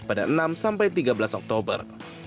pada enam sampai tiga belas oktober